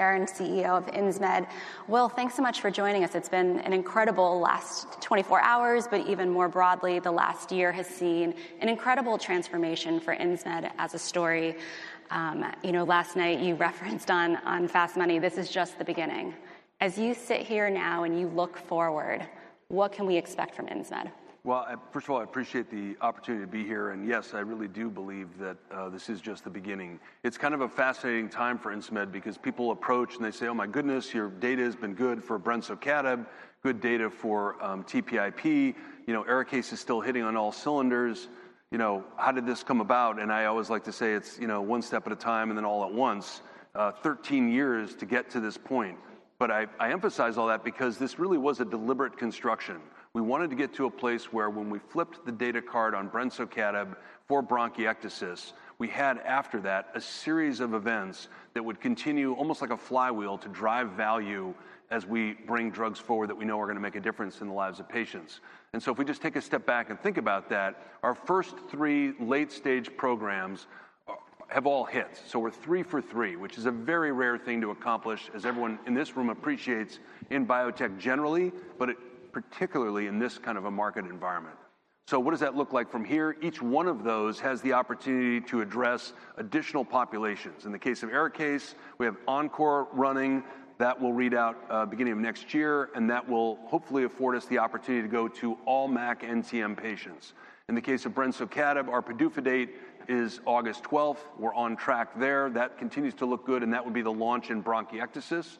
Chair and CEO of Insmed. Will, thanks so much for joining us. It's been an incredible last 24 hours, but even more broadly, the last year has seen an incredible transformation for Insmed as a story. You know, last night you referenced on Fast Money. This is just the beginning. As you sit here now and you look forward, what can we expect from Insmed? First of all, I appreciate the opportunity to be here. Yes, I really do believe that this is just the beginning. It's kind of a fascinating time for Insmed because people approach and they say, "Oh my goodness, your data has been good for brensocatib, good data for TPIP." You know, Arikayce is still hitting on all cylinders. You know, how did this come about? I always like to say it's, you know, one step at a time and then all-at-once, 13 years to get to this point. I emphasize all that because this really was a deliberate construction. We wanted to get to a place where when we flipped the data card on brensocatib for bronchiectasis, we had after that a series of events that would continue almost like a flywheel to drive value as we bring drugs forward that we know are going to make a difference in the lives of patients. If we just take a step back and think about that, our first three late-stage programs have all hits. We are three for three, which is a very rare thing to accomplish, as everyone in this room appreciates in biotech generally, particularly in this kind of a market environment. What does that look like from here? Each one of those has the opportunity to address additional populations. In the case of Arikayce, we have Encore running that will read out beginning of next year, and that will hopefully afford us the opportunity to go to all MAC NTM patients. In the case of brensocatib, our PDUFA date is August 12. We're on track there. That continues to look good, and that would be the launch in bronchiectasis,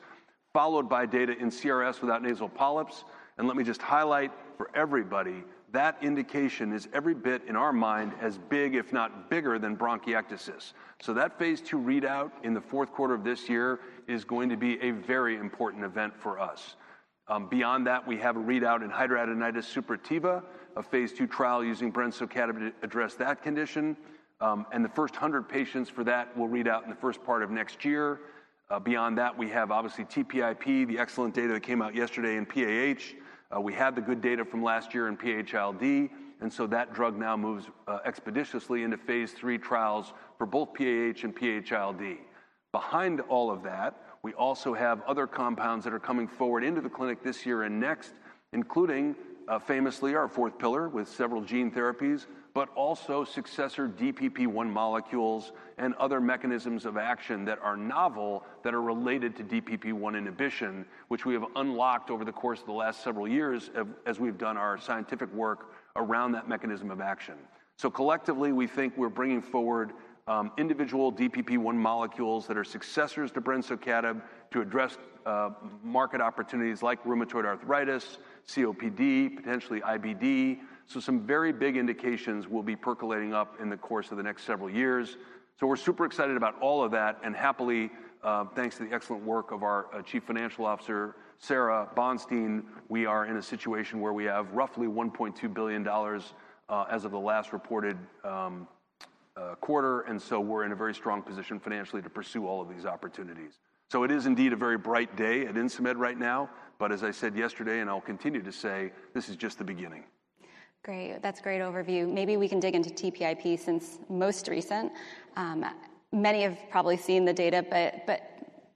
followed by data in CRS without nasal polyps. Let me just highlight for everybody, that indication is every bit in our mind as big, if not bigger, than bronchiectasis. That phase two readout in the fourth quarter of this year is going to be a very important event for us. Beyond that, we have a readout in hidradenitis suppurativa of phase two trial using brensocatib to address that condition. The first 100 patients for that will read out in the first part of next year. Beyond that, we have obviously TPIP, the excellent data that came out yesterday in PAH. We had the good data from last year in PAH-ILD, and that drug now moves expeditiously into phase three trials for both PAH and PAH-ILD. Behind all of that, we also have other compounds that are coming forward into the clinic this year and next, including famously our fourth pillar with several gene therapies, but also successor DPP-1 molecules and other mechanisms of action that are novel that are related to DPP-1 inhibition, which we have unlocked over the course of the last several years as we've done our scientific work around that mechanism of action. Collectively, we think we're bringing forward individual DPP-1 molecules that are successors to brensocatib to address market opportunities like rheumatoid arthritis, COPD, potentially IBD. Some very big indications will be percolating up in the course of the next several years. We are super excited about all of that. Happily, thanks to the excellent work of our Chief Financial Officer, Sarah Bonstein, we are in a situation where we have roughly $1.2 billion as of the last reported quarter. We are in a very strong position financially to pursue all of these opportunities. It is indeed a very bright day at Insmed right now. As I said yesterday, and I'll continue to say, this is just the beginning. Great. That's a great overview. Maybe we can dig into TPIP since most recent. Many have probably seen the data, but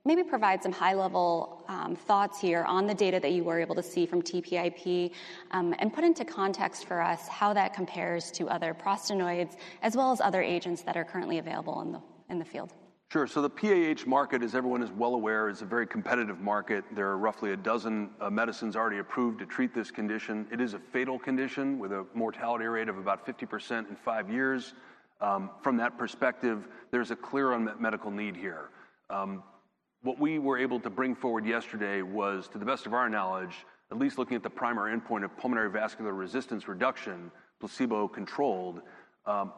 maybe provide some high-level thoughts here on the data that you were able to see from TPIP and put into context for us how that compares to other prostaglandins, as well as other agents that are currently available in the field. Sure. The PAH market, as everyone is well aware, is a very competitive market. There are roughly a dozen medicines already approved to treat this condition. It is a fatal condition with a mortality rate of about 50% in five years. From that perspective, there's a clear unmet medical need here. What we were able to bring forward yesterday was, to the best of our knowledge, at least looking at the primary endpoint of pulmonary vascular resistance reduction, placebo-controlled,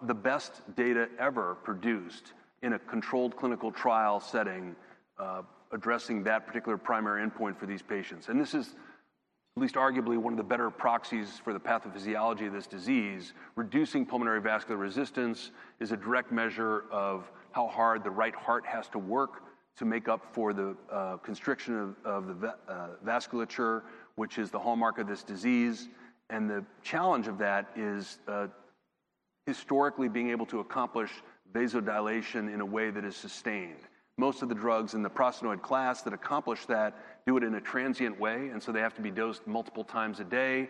the best data ever produced in a controlled clinical trial setting addressing that particular primary endpoint for these patients. This is at least arguably one of the better proxies for the pathophysiology of this disease. Reducing pulmonary vascular resistance is a direct measure of how hard the right heart has to work to make up for the constriction of the vasculature, which is the hallmark of this disease. The challenge of that is historically being able to accomplish vasodilation in a way that is sustained. Most of the drugs in the prostaglandin class that accomplish that do it in a transient way. They have to be dosed multiple times a day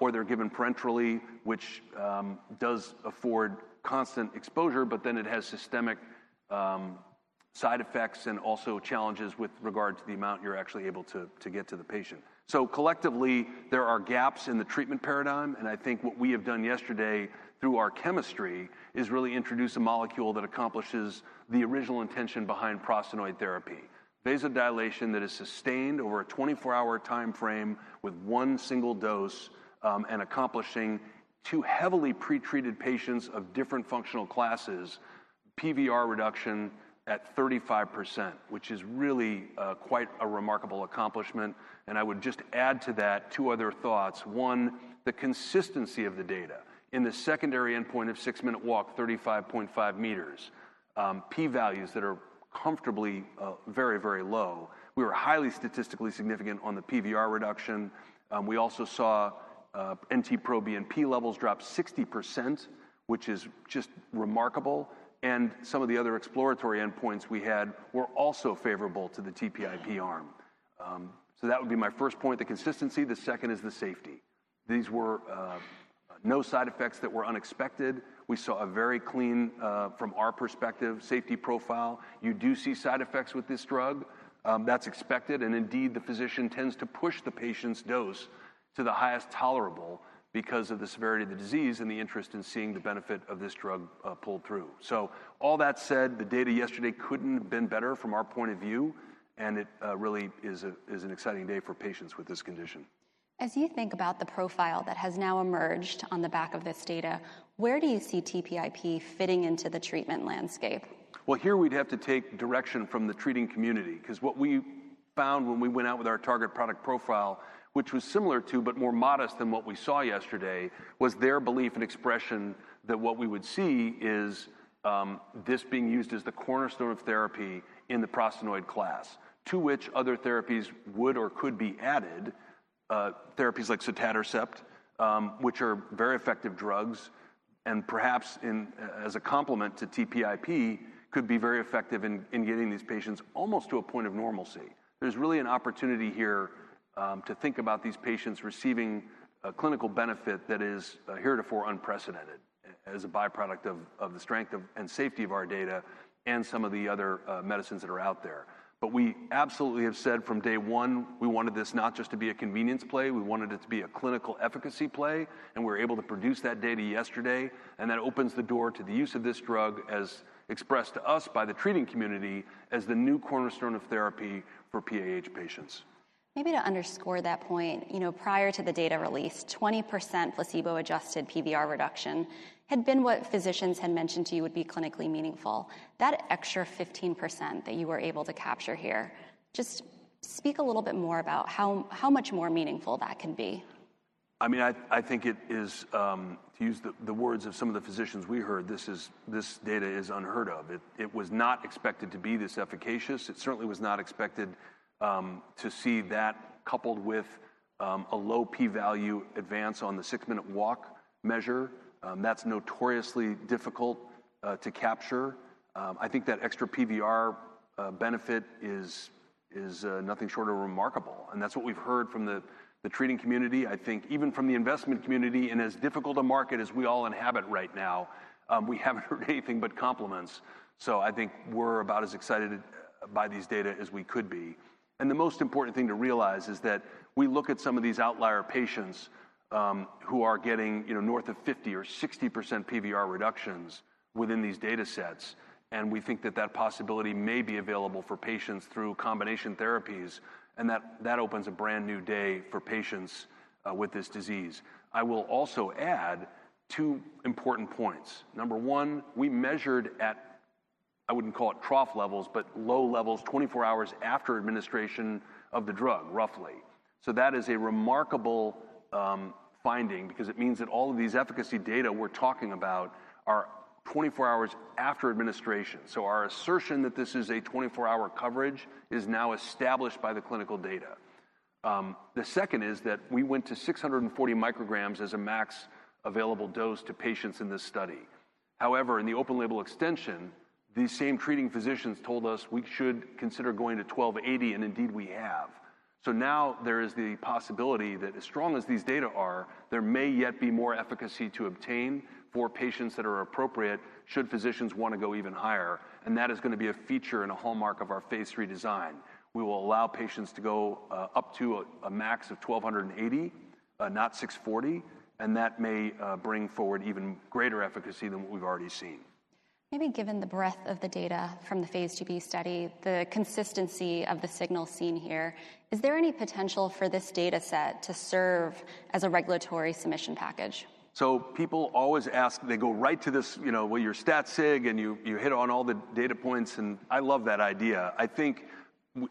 or they're given parenterally, which does afford constant exposure, but then it has systemic side effects and also challenges with regard to the amount you're actually able to get to the patient. Collectively, there are gaps in the treatment paradigm. I think what we have done yesterday through our chemistry is really introduce a molecule that accomplishes the original intention behind prostaglandin therapy, vasodilation that is sustained over a 24-hour timeframe with one single dose and accomplishing in two heavily pretreated patients of different functional classes, PVR reduction at 35%, which is really quite a remarkable accomplishment. I would just add to that two other thoughts. One, the consistency of the data in the secondary endpoint of six-minute walk, 35.5 meters, P-alues that are comfortably very, very low. We were highly statistically significant on the PVR reduction. We also saw NT-proBNP levels drop 60%, which is just remarkable. Some of the other exploratory endpoints we had were also favorable to the TPIP arm. That would be my first point, the consistency. The second is the safety. These were no side effects that were unexpected. We saw a very clean, from our perspective, safety profile. You do see side effects with this drug. That is expected. Indeed, the physician tends to push the patient's dose to the highest tolerable because of the severity of the disease and the interest in seeing the benefit of this drug pulled through. All that said, the data yesterday could not have been better from our point of view. It really is an exciting day for patients with this condition. As you think about the profile that has now emerged on the back of this data, where do you see TPIP fitting into the treatment landscape? Here we would have to take direction from the treating community because what we found when we went out with our target product profile, which was similar to but more modest than what we saw yesterday, was their belief and expression that what we would see is this being used as the cornerstone of therapy in the prostaglandin class, to which other therapies would or could be added, therapies like sotatercept, which are very effective drugs and perhaps as a complement to TPIP, could be very effective in getting these patients almost to a point of normalcy. There is really an opportunity here to think about these patients receiving a clinical benefit that is heretofore unprecedented as a byproduct of the strength and safety of our data and some of the other medicines that are out there. We absolutely have said from day one, we wanted this not just to be a convenience play. We wanted it to be a clinical efficacy play. We were able to produce that data yesterday. That opens the door to the use of this drug, as expressed to us by the treating community, as the new cornerstone of therapy for PAH patients. Maybe to underscore that point, you know, prior to the data release, 20% placebo-adjusted PVR reduction had been what physicians had mentioned to you would be clinically meaningful. That extra 15% that you were able to capture here, just speak a little bit more about how much more meaningful that can be. I mean, I think it is, to use the words of some of the physicians we heard, this data is unheard-of. It was not expected to be this efficacious. It certainly was not expected to see that coupled with a low P value advance on the six-minute walk measure. That's notoriously difficult to capture. I think that extra PVR benefit is nothing short of remarkable. That is what we've heard from the treating community. I think even from the investment community, and as difficult a market as we all inhabit right now, we haven't heard anything but compliments. I think we're about as excited by these data as we could be. The most important thing to realize is that we look at some of these outlier patients who are getting north of 50%-60% PVR reductions within these data sets. We think that that possibility may be available for patients through combination therapies. That opens a brand new day for patients with this disease. I will also add two important points. Number one, we measured at, I would not call it trough levels, but low levels 24 hours after administration of the drug, roughly. That is a remarkable finding because it means that all of these efficacy data we are talking about are 24 hours after administration. Our assertion that this is a 24-hour coverage is now established by the clinical data. The second is that we went to 640 micrograms as a max available dose to patients in this study. However, in the open label extension, these same treating physicians told us we should consider going to 1280, and indeed we have. Now there is the possibility that as strong as these data are, there may yet be more efficacy to obtain for patients that are appropriate should physicians want to go even higher. That is going to be a feature and a hallmark of our Phase III design. We will allow patients to go up to a max of 1,280, not 640. That may bring forward even greater efficacy than what we've already seen. Maybe given the breadth of the data from the Phase III study, the consistency of the signal seen here, is there any potential for this data set to serve as a regulatory submission package? People always ask, they go right to this, you know, well, you're stat-sig and you hit on all the data points. I love that idea. I think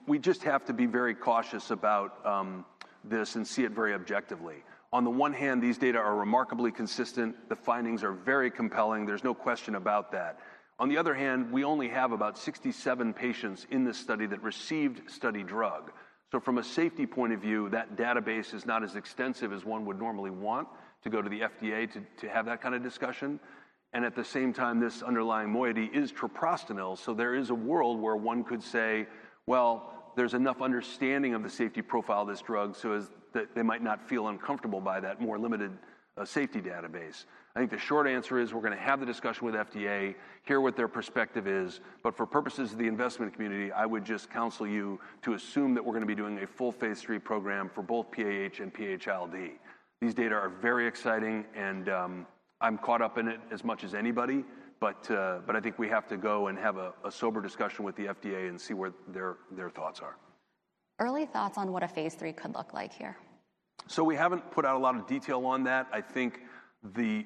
we just have to be very cautious about this and see it very objectively. On the one hand, these data are remarkably consistent. The findings are very compelling. There's no question about that. On the other hand, we only have about 67 patients in this study that received study drug. From a safety point of view, that database is not as extensive as one would normally want to go to the FDA to have that kind of discussion. At the same time, this underlying moiety is treprostinil. There is a world where one could say, well, there's enough understanding of the safety profile of this drug, so they might not feel uncomfortable by that more limited safety database. I think the short answer is we're going to have the discussion with FDA, hear what their perspective is. For purposes of the investment community, I would just counsel you to assume that we're going to be doing a full phase three program for both PAH and PAH-ILD. These data are very exciting, and I'm caught up in it as much as anybody. I think we have to go and have a sober discussion with the FDA and see where their thoughts are. Early thoughts on what a phase three could look like here? We have not put out a lot of detail on that. I think the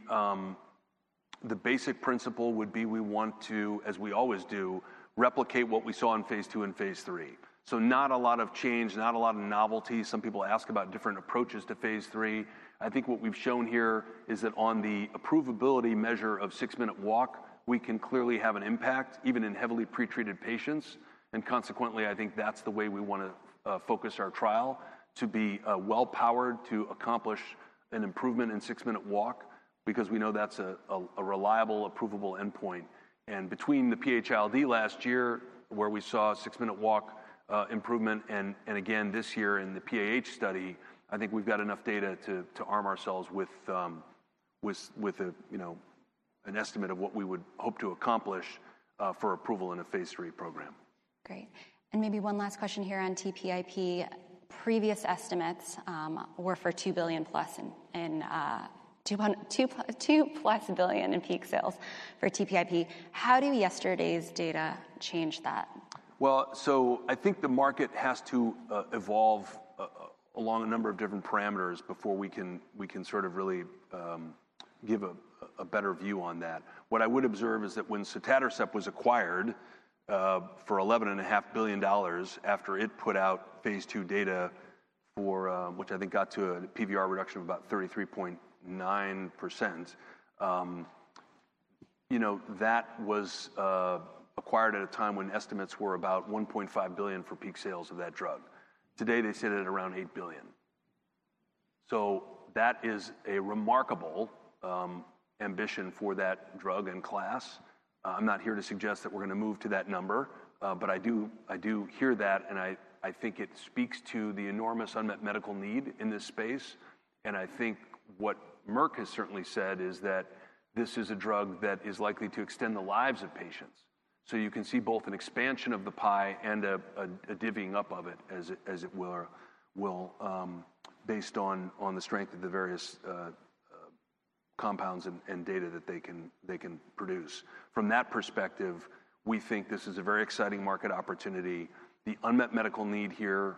basic principle would be we want to, as we always do, replicate what we saw in Phase II and Phase III. Not a lot of change, not a lot of novelty. Some people ask about different approaches to Phase III. I think what we have shown here is that on the approvability measure of six-minute walk, we can clearly have an impact even in heavily pretreated patients. Consequently, I think that is the way we want to focus our trial, to be well-powered to accomplish an improvement in six-minute walk because we know that is a reliable, approvable endpoint. Between the PAH-ILD last year, where we saw a six-minute walk improvement, and again this year in the PAH study, I think we've got enough data to arm ourselves with an estimate of what we would hope to accomplish for approval in a phase three program. Great. Maybe one last question here on TPIP. Previous estimates were for $2 billion-plus and $2 billion-plus in peak sales for TPIP. How do yesterday's data change that? I think the market has to evolve along a number of different parameters before we can sort of really give a better view on that. What I would observe is that when sotatercept was acquired for $11.5 billion after it put out phase two data, which I think got to a PVR reduction of about 33.9%, you know, that was acquired at a time when estimates were about $1.5 billion for peak sales of that drug. Today, they sit at around $8 billion. That is a remarkable ambition for that drug and class. I'm not here to suggest that we're going to move to that number, but I do hear that. I think it speaks to the enormous unmet medical need in this space. I think what Merck has certainly said is that this is a drug that is likely to extend the lives of patients. You can see both an expansion of the pie and a divvying up of it, as it were, based on the strength of the various compounds and data that they can produce. From that perspective, we think this is a very exciting market opportunity. The unmet medical need here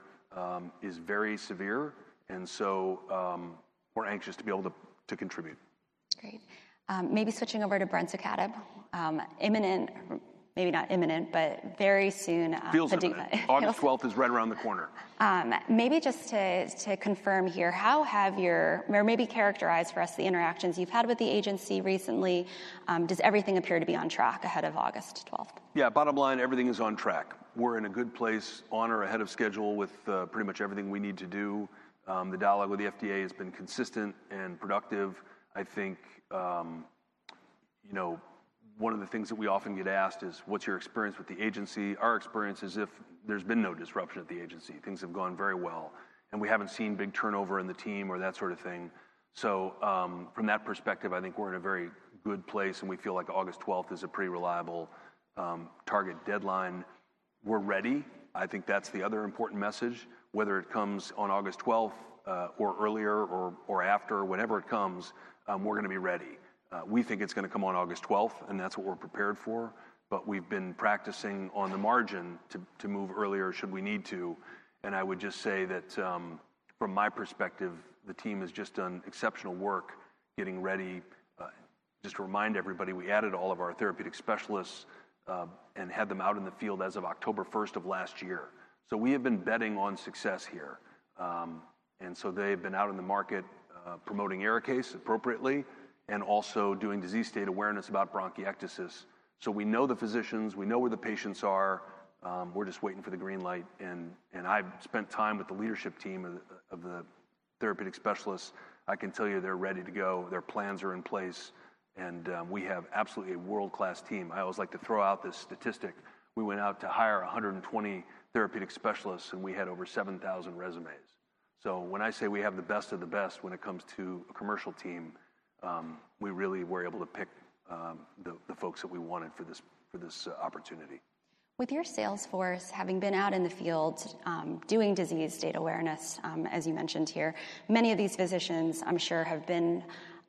is very severe. We are anxious to be able to contribute. Great. Maybe switching over to brensocatib. Imminent, maybe not imminent, but very soon. Feels like it. August 12th is right around the corner. Maybe just to confirm here, how have your, or maybe characterize for us the interactions you've had with the agency recently? Does everything appear to be on track ahead of August 12? Yeah, bottom line, everything is on track. We're in a good place, on or ahead of schedule with pretty much everything we need to do. The dialogue with the FDA has been consistent and productive. I think, you know, one of the things that we often get asked is, what's your experience with the agency? Our experience is if there's been no disruption at the agency, things have gone very well. We haven't seen big turnover in the team or that sort of thing. From that perspective, I think we're in a very good place. We feel like August 12th is a pretty reliable target deadline. We're ready. I think that's the other important message. Whether it comes on August 12th or earlier or after, whenever it comes, we're going to be ready. We think it's going to come on August 12, and that's what we're prepared for. We have been practicing on the margin to move earlier should we need to. I would just say that from my perspective, the team has just done exceptional work getting ready. Just to remind everybody, we added all of our therapeutic specialists and had them out in the field as of October 1st of last year. We have been betting on success here. They have been out in the market promoting Arikayce appropriately and also doing disease state awareness about bronchiectasis. We know the physicians, we know where the patients are. We're just waiting for the green light. I've spent time with the leadership team of the therapeutic specialists. I can tell you they're ready to go. Their plans are in place. We have absolutely a world-class team. I always like to throw out this statistic. We went out to hire 120 therapeutic specialists, and we had over 7,000 resumes. When I say we have the best of the best when it comes to a commercial team, we really were able to pick the folks that we wanted for this opportunity. With your sales force having been out in the field doing disease state awareness, as you mentioned here, many of these physicians, I'm sure, have been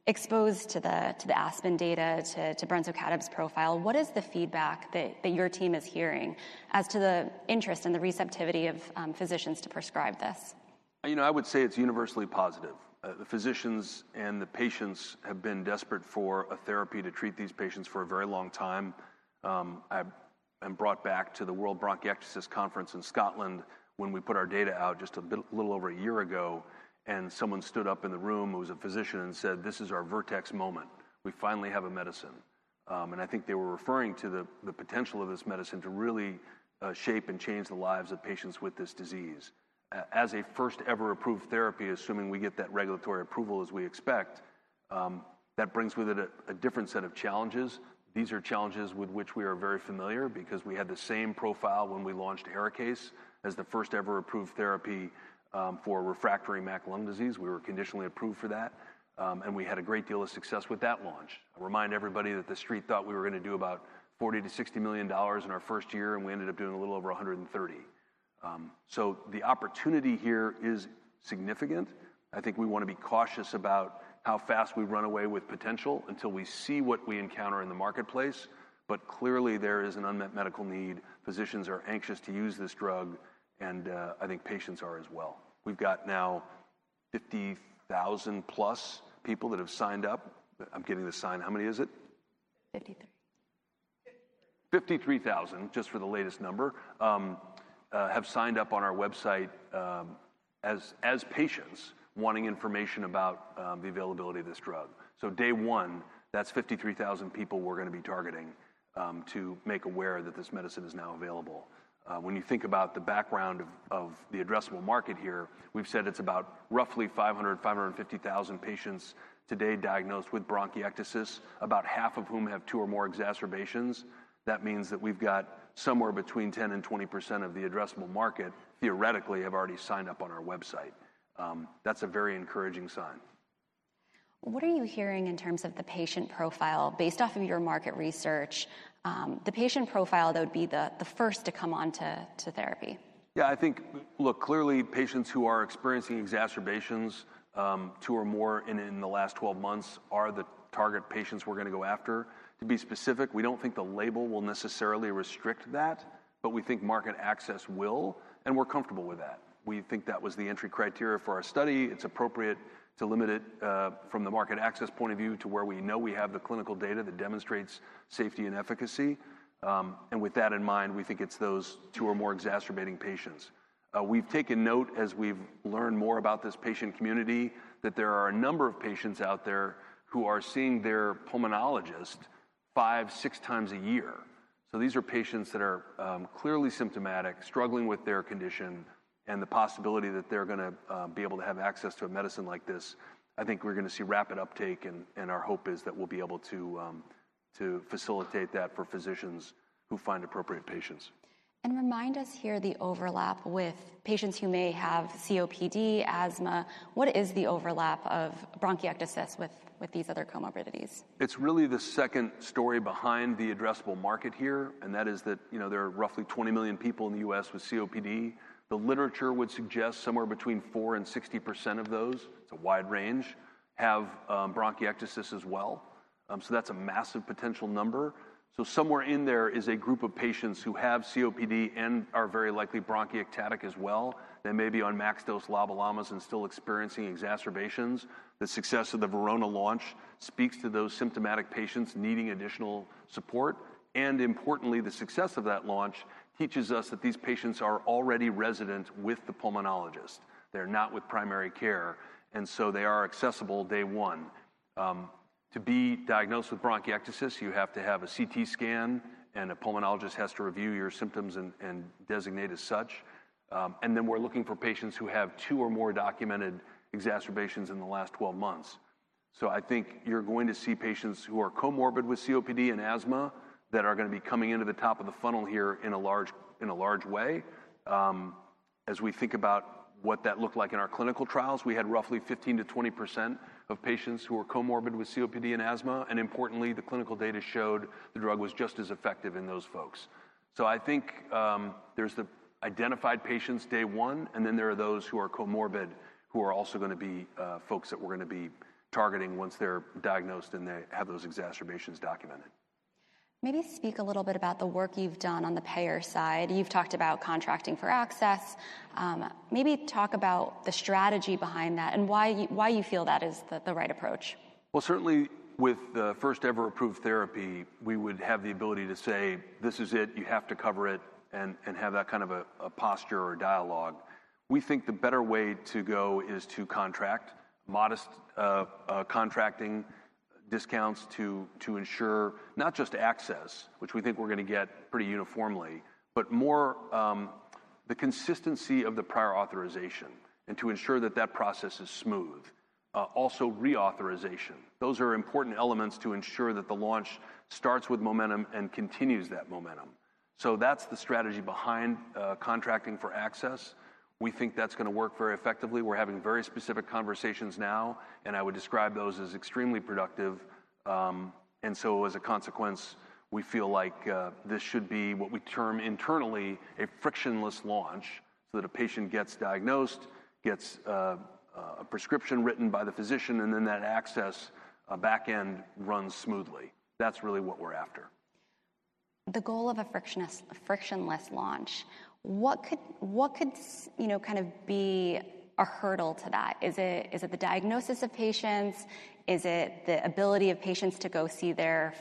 exposed to the ASPEN data, to brensocatib's profile. What is the feedback that your team is hearing as to the interest and the receptivity of physicians to prescribe this? You know, I would say it's universally positive. The physicians and the patients have been desperate for a therapy to treat these patients for a very long time. I'm brought back to the World Bronchiectasis Conference in Scotland when we put our data out just a little over a year ago. Someone stood up in the room, who was a physician, and said, this is our Vertex moment. We finally have a medicine. I think they were referring to the potential of this medicine to really shape and change the lives of patients with this disease. As a first-ever approved therapy, assuming we get that regulatory approval as we expect, that brings with it a different set of challenges. These are challenges with which we are very familiar because we had the same profile when we launched Arikayce as the first-ever approved therapy for refractory MAC lung disease. We were conditionally approved for that. We had a great deal of success with that launch. I remind everybody that the street thought we were going to do about $40-$60 million in our first year, and we ended up doing a little over $130 million. The opportunity here is significant. I think we want to be cautious about how fast we run away with potential until we see what we encounter in the marketplace. Clearly, there is an unmet medical need. Physicians are anxious to use this drug. I think patients are as well. We've got now 50,000 plus people that have signed up. I'm getting the sign. How many is it? 53. 53,000, just for the latest number, have signed up on our website as patients wanting information about the availability of this drug. Day one, that's 53,000 people we're going to be targeting to make aware that this medicine is now available. When you think about the background of the addressable market here, we've said it's about roughly 500,000-550,000 patients today diagnosed with bronchiectasis, about half of whom have two or more exacerbations. That means that we've got somewhere between 10%-20% of the addressable market theoretically have already signed up on our website. That's a very encouraging sign. What are you hearing in terms of the patient profile based off of your market research? The patient profile that would be the first to come on to therapy? Yeah, I think, look, clearly, patients who are experiencing exacerbations, two or more in the last 12 months, are the target patients we're going to go after. To be specific, we don't think the label will necessarily restrict that, but we think market access will. We're comfortable with that. We think that was the entry criteria for our study. It's appropriate to limit it from the market access point of view to where we know we have the clinical data that demonstrates safety and efficacy. With that in mind, we think it's those two or more exacerbating patients. We've taken note as we've learned more about this patient community that there are a number of patients out there who are seeing their pulmonologist five, six times a year. These are patients that are clearly symptomatic, struggling with their condition, and the possibility that they're going to be able to have access to a medicine like this, I think we're going to see rapid uptake. Our hope is that we'll be able to facilitate that for physicians who find appropriate patients. Remind us here the overlap with patients who may have COPD, asthma. What is the overlap of bronchiectasis with these other comorbidities? It's really the second story behind the addressable market here. And that is that, you know, there are roughly 20 million people in the U.S. with COPD. The literature would suggest somewhere between 4% and 60% of those. It's a wide range, have bronchiectasis as well. So that's a massive potential number. So somewhere in there is a group of patients who have COPD and are very likely bronchiectatic as well. They may be on max dose LABA/LAMAs and still experiencing exacerbations. The success of the Verona launch speaks to those symptomatic patients needing additional support. And importantly, the success of that launch teaches us that these patients are already resident with the pulmonologist. They're not with primary care. And so they are accessible day one. To be diagnosed with bronchiectasis, you have to have a CT scan, and a pulmonologist has to review your symptoms and designate as such. We are looking for patients who have two or more documented exacerbations in the last 12 months. I think you are going to see patients who are comorbid with COPD and asthma that are going to be coming into the top of the funnel here in a large way. As we think about what that looked like in our clinical trials, we had roughly 15%-20% of patients who were comorbid with COPD and asthma. Importantly, the clinical data showed the drug was just as effective in those folks. I think there's the identified patients day one, and then there are those who are comorbid who are also going to be folks that we're going to be targeting once they're diagnosed and they have those exacerbations documented. Maybe speak a little bit about the work you've done on the payer side. You've talked about contracting for access. Maybe talk about the strategy behind that and why you feel that is the right approach. Certainly with the first-ever approved therapy, we would have the ability to say, this is it, you have to cover it, and have that kind of a posture or dialogue. We think the better way to go is to contract, modest contracting discounts to ensure not just access, which we think we're going to get pretty uniformly, but more the consistency of the prior authorization and to ensure that that process is smooth. Also reauthorization. Those are important elements to ensure that the launch starts with momentum and continues that momentum. That is the strategy behind contracting for access. We think that's going to work very effectively. We're having very specific conversations now, and I would describe those as extremely productive. As a consequence, we feel like this should be what we term internally a frictionless launch so that a patient gets diagnosed, gets a prescription written by the physician, and then that access back end runs smoothly. That's really what we're after. The goal of a frictionless launch, what could kind of be a hurdle to that? Is it the diagnosis of patients? Is it the ability of patients to go see their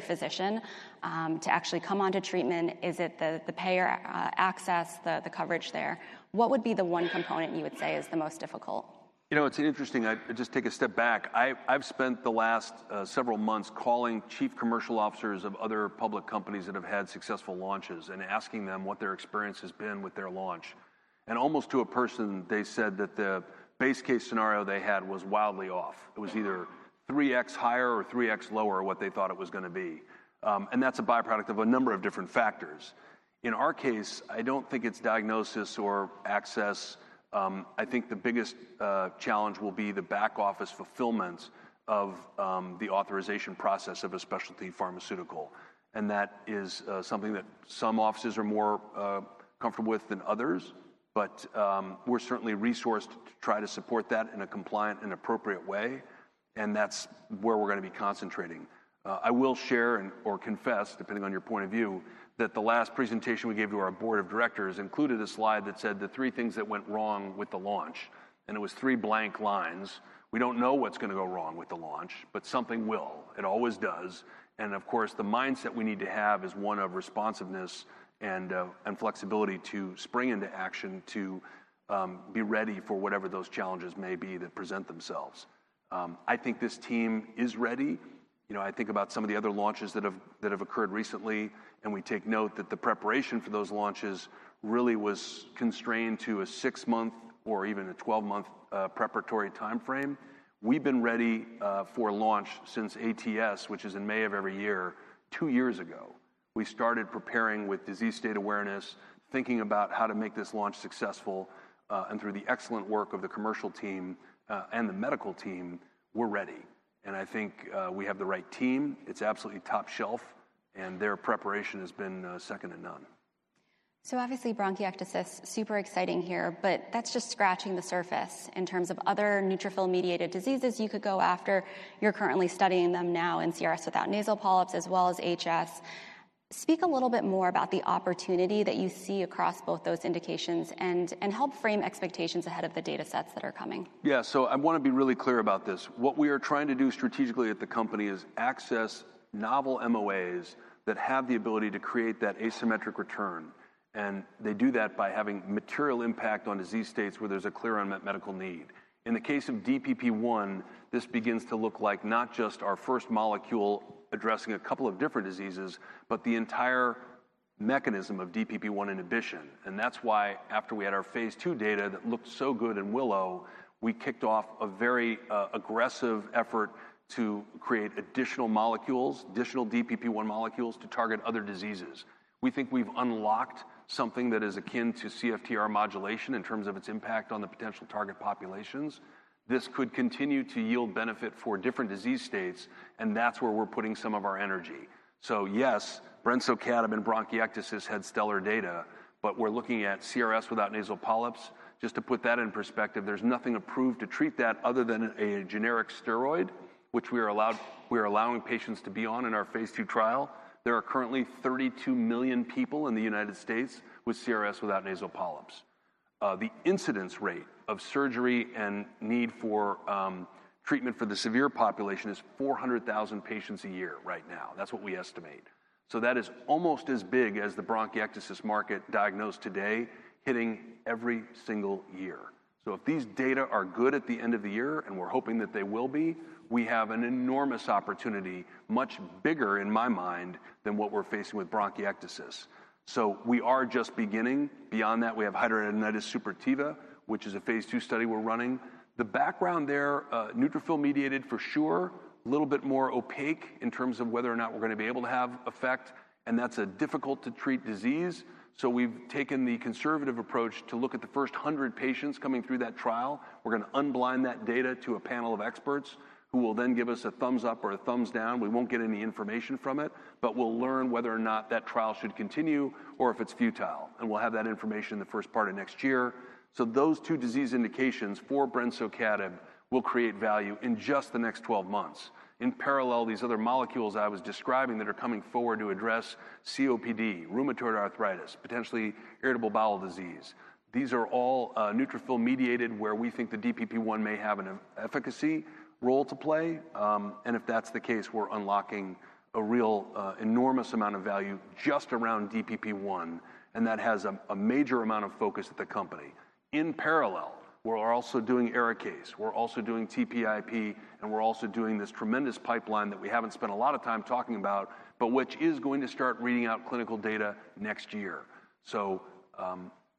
physician to actually come on to treatment? Is it the payer access, the coverage there? What would be the one component you would say is the most difficult? You know, it's interesting. I just take a step back. I've spent the last several months calling Chief Commercial Officers of other public companies that have had successful launches and asking them what their experience has been with their launch. Almost to a person, they said that the base case scenario they had was wildly off. It was either 3x higher or 3x lower than what they thought it was going to be. That's a byproduct of a number of different factors. In our case, I don't think it's diagnosis or access. I think the biggest challenge will be the back-office fulfillment of the authorization process of a specialty pharmaceutical. That is something that some offices are more comfortable with than others. We're certainly resourced to try to support that in a compliant and appropriate way. That's where we're going to be concentrating. I will share or confess, depending on your point of view, that the last presentation we gave to our board of directors included a slide that said the three things that went wrong with the launch. It was three blank lines. We do not know what is going to go wrong with the launch, but something will. It always does. Of course, the mindset we need to have is one of responsiveness and flexibility to spring into action to be ready for whatever those challenges may be that present themselves. I think this team is ready. You know, I think about some of the other launches that have occurred recently, and we take note that the preparation for those launches really was constrained to a six-month or even a 12-month preparatory timeframe. We have been ready for launch since ATS, which is in May of every year, two years ago. We started preparing with disease state awareness, thinking about how to make this launch successful. Through the excellent work of the commercial team and the medical team, we're ready. I think we have the right team. It's absolutely top shelf. Their preparation has been second to none. Obviously, bronchiectasis, super exciting here, but that's just scratching the surface in terms of other neutrophil-mediated diseases you could go after. You're currently studying them now in CRS without nasal polyps, as well as HS. Speak a little bit more about the opportunity that you see across both those indications and help frame expectations ahead of the data sets that are coming. Yeah, I want to be really clear about this. What we are trying to do strategically at the company is access novel MOAs that have the ability to create that asymmetric return. They do that by having material impact on disease states where there is a clear unmet medical need. In the case of DPP-1, this begins to look like not just our first molecule addressing a couple of different diseases, but the entire mechanism of DPP-1 inhibition. That is why after we had our phase two data that looked so good in Willow, we kicked off a very aggressive effort to create additional molecules, additional DPP-1 molecules to target other diseases. We think we have unlocked something that is akin to CFTR modulation in terms of its impact on the potential target populationsb This could continue to yield benefit for different disease states, and that's where we're putting some of our energy. Yes, brensocatib and bronchiectasis had stellar data, but we're looking at CRS without nasal polyps. Just to put that in perspective, there's nothing approved to treat that other than a generic steroid, which we are allowing patients to be on in our Phase II trial. There are currently 32 million people in the United States with CRS without nasal polyps. The incidence rate of surgery and need for treatment for the severe population is 400,000 patients a year right now. That's what we estimate. That is almost as big as the bronchiectasis market diagnosed today, hitting every single year. If these data are good at the end of the year, and we're hoping that they will be, we have an enormous opportunity, much bigger in my mind than what we're facing with bronchiectasis. We are just beginning. Beyond that, we have hidradenitis suppurativa, which is a phase two study we're running. The background there, neutrophil-mediated for sure, a little bit more opaque in terms of whether or not we're going to be able to have effect. That is a difficult-to-treat disease. We have taken the conservative approach to look at the first 100 patients coming through that trial. We're going to unblind that data to a panel of experts who will then give us a thumbs up or a thumbs down. We will not get any information from it, but we will learn whether or not that trial should continue or if it is futile. We'll have that information in the first part of next year. Those two disease indications for Brensocatib will create value in just the next 12 months. In parallel, these other molecules I was describing that are coming forward to address COPD, rheumatoid arthritis, potentially inflammatory bowel disease. These are all neutrophil-mediated where we think the DPP-1 may have an efficacy role to play. If that's the case, we're unlocking a real enormous amount of value just around DPP-1. That has a major amount of focus at the company. In parallel, we're also doing Arikayce. We're also doing TPIP, and we're also doing this tremendous pipeline that we haven't spent a lot of time talking about, but which is going to start reading out clinical data next year.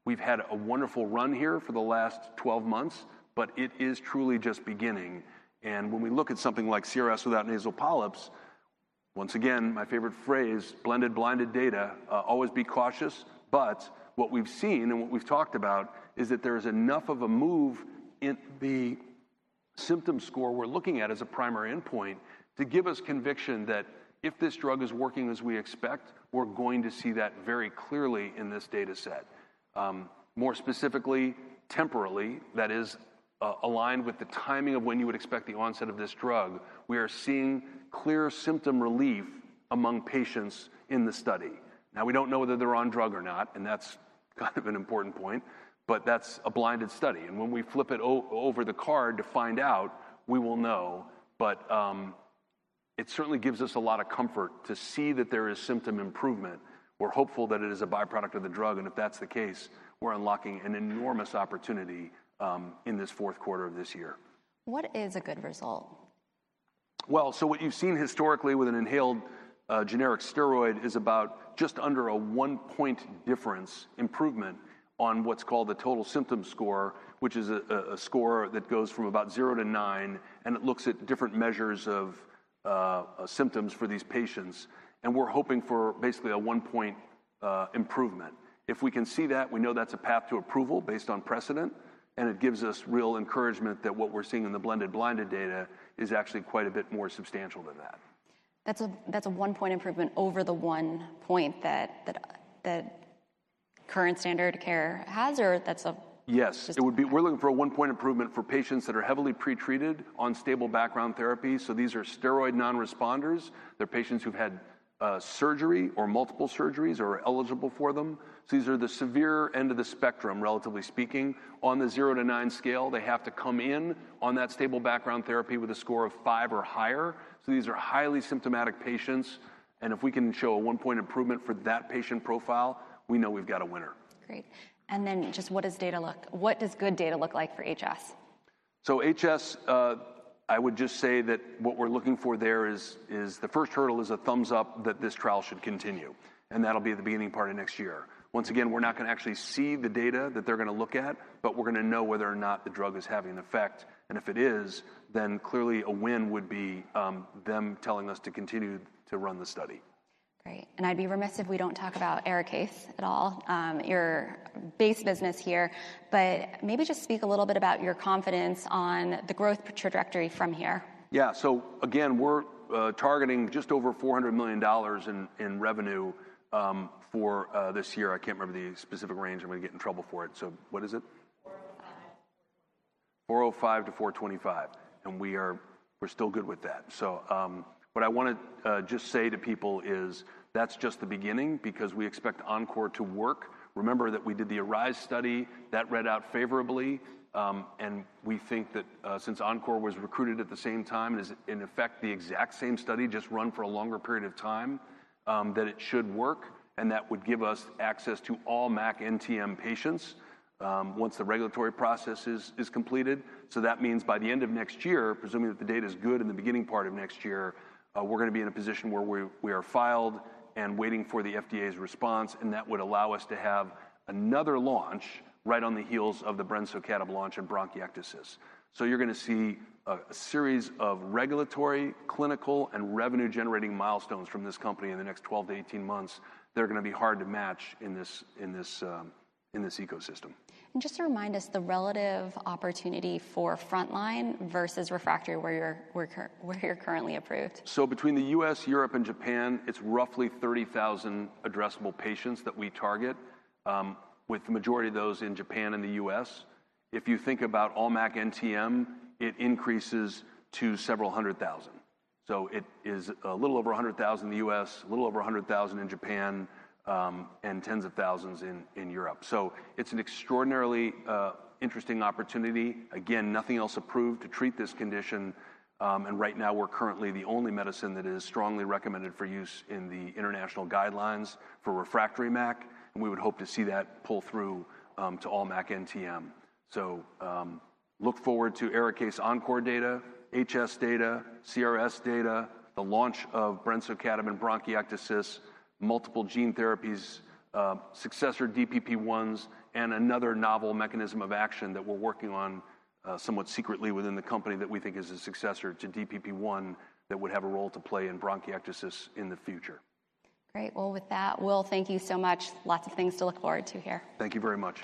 We've had a wonderful run here for the last 12 months, but it is truly just beginning. When we look at something like CRS without nasal polyps, once again, my favorite phrase, blended, blinded data, always be cautious. What we've seen and what we've talked about is that there is enough of a move in the symptom score we're looking at as a primary endpoint to give us conviction that if this drug is working as we expect, we're going to see that very clearly in this data set. More specifically, temporally, that is aligned with the timing of when you would expect the onset of this drug, we are seeing clear symptom relief among patients in the study. Now, we do not know whether they're on drug or not, and that's kind of an important point, but that's a blinded study. When we flip it over the card to find out, we will know. It certainly gives us a lot of comfort to see that there is symptom improvement. We're hopeful that it is a byproduct of the drug. If that's the case, we're unlocking an enormous opportunity in this fourth quarter of this year. What is a good result? What you've seen historically with an inhaled generic steroid is about just under a one-point difference improvement on what's called the total symptom score, which is a score that goes from about zero to nine, and it looks at different measures of symptoms for these patients. We're hoping for basically a one-point improvement. If we can see that, we know that's a path to approval based on precedent. It gives us real encouragement that what we're seeing in the blended, blinded data is actually quite a bit more substantial than that. That's a one-point improvement over the one point that current standard care has, or that's a... Yes, it would be. We're looking for a one-point improvement for patients that are heavily pretreated on stable background therapy. These are steroid non-responders. They're patients who've had surgery or multiple surgeries or are eligible for them. These are the severe end of the spectrum, relatively speaking. On the zero to nine scale, they have to come in on that stable background therapy with a score of five or higher. These are highly symptomatic patients. If we can show a one-point improvement for that patient profile, we know we've got a winner. Great. And then just what does data look like? What does good data look like for HS? HS, I would just say that what we're looking for there is the first hurdle is a thumbs up that this trial should continue. That will be the beginning part of next year. Once again, we're not going to actually see the data that they're going to look at, but we're going to know whether or not the drug is having an effect. If it is, then clearly a win would be them telling us to continue to run the study. Great. I'd be remiss if we don't talk about Arikayce at all, your base business here. Maybe just speak a little bit about your confidence on the growth trajectory from here. Yeah. So again, we're targeting just over $400 million in revenue for this year. I can't remember the specific range. I'm going to get in trouble for it. What is it? $405 million-$425 million. We are still good with that. What I want to just say to people is that's just the beginning because we expect Encore to work. Remember that we did the ARISE study that read out favorably. We think that since Encore was recruited at the same time, it is in effect the exact same study just run for a longer period of time, that it should work. That would give us access to all MAC NTM patients once the regulatory process is completed. That means by the end of next year, presuming that the data is good in the beginning part of next year, we're going to be in a position where we are filed and waiting for the FDA's response. That would allow us to have another launch right on the heels of the brensocatib launch in bronchiectasis. You're going to see a series of regulatory, clinical, and revenue-generating milestones from this company in the next 12-18 months. They're going to be hard to match in this ecosystem. Just to remind us, the relative opportunity for frontline versus refractory where you're currently approved. Between the U.S., Europe, and Japan, it's roughly 30,000 addressable patients that we target, with the majority of those in Japan and the U.S. If you think about all MAC NTM, it increases to several hundred thousand. It is a little over 100,000 in the U.S., a little over 100,000 in Japan, and tens of thousands in Europe. It's an extraordinarily interesting opportunity. Again, nothing else approved to treat this condition. Right now, we're currently the only medicine that is strongly recommended for use in the international guidelines for refractory MAC. We would hope to see that pull through to all MAC NTM. Look forward to Arikayce Encore data, HS data, CRS data, the launch of brensocatib in bronchiectasis, multiple gene therapies, successor DPP-1s, and another novel mechanism of action that we're working on somewhat secretly within the company that we think is a successor to DPP-1 that would have a role to play in bronchiectasis in the future. Great. With that, Will, thank you so much. Lots of things to look forward to here. Thank you very much.